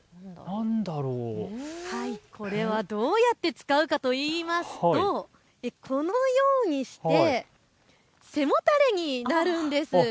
これはどうやって使うかといいますとこのようにして背もたれになるんです。